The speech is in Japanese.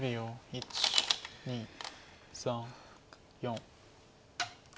１２３４。